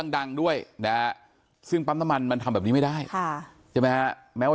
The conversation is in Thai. ดังด้วยซึ่งปั๊มน้ำมันมันทำแบบนี้ไม่ได้ค่ะแม้ว่า